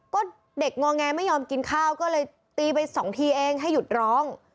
ก็เด็กงอแงไม่ยอมกินข้าวก็เลยตีไปสองทีเองให้หยุดร้อง